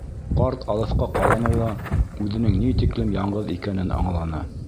Ҡарт алыҫҡа ҡараны ла үҙенең ни тиклем яңғыҙ икәнен аңланы.